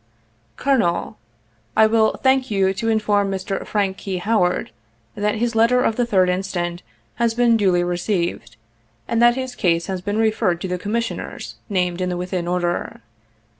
"Colonel: " I will thank you to inform Mr. Frank Key Howard, that his letter of the 3d instant has heen duly received, and that his case has been referred to the Commissioners named in the within order.